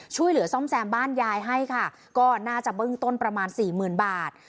ช่วยเหลือซ่อมแซมบ้านยายให้ค่ะก็น่าจะเบื้องต้นประมาณสี่หมื่นบาท